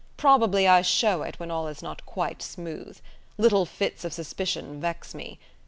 Probably I show it when all is not quite smooth. Little fits of suspicion vex me.